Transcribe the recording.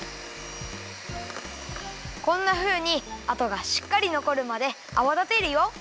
こんなふうにあとがしっかりのこるまであわだてるよ。